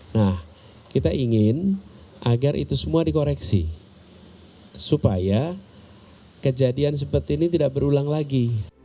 nah kita ingin agar itu semua dikoreksi supaya kejadian seperti ini tidak berulang lagi